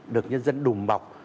được nhân dân đùm bọc